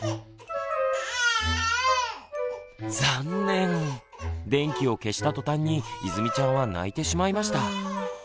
残念電気を消したとたんにいずみちゃんは泣いてしまいました。